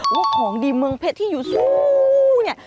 ว่าของดีเมืองเพชรที่อยู่สูงเนี่ย